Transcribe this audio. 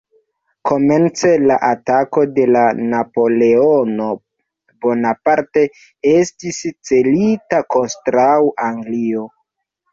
Komence la atako de Napoleono Bonaparte estis celita kontraŭ Anglio.